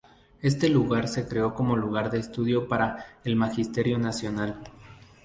Este lugar se creó como lugar de estudio para el magisterio nacional.